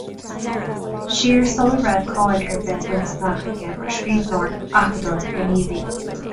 Siar sula raibh cáil ar bith bainte amach aige mar scríbhneoir, acadóir, gníomhaí.